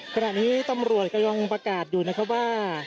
ขณะนี้ตำรวจก็ยังประกาศอยู่นะครับว่า